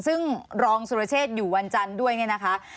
ซึ่งรองสุรเชษฐ์อยู่วันจันทร์ด้วยนะครับ